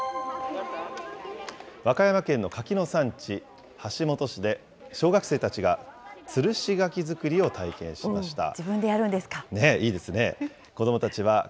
和歌山県の柿の産地、橋本市で、小学生たちがつるし柿作りを体験しました。